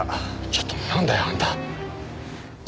ちょっとなんだよ？あんた。